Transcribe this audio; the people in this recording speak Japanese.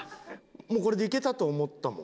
もうこれでいけたと思ったもん。